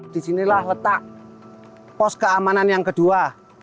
disinilah letak pos keamanan yang kedua